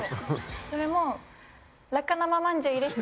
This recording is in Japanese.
それも。